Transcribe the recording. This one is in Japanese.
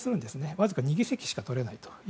わずか２議席しかとれない。